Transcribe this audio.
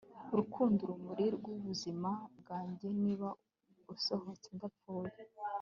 urukundo, urumuri rw'ubuzima bwanjye! niba usohotse! ndapfuye